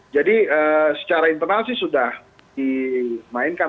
jadi secara internal sih sudah dimainkan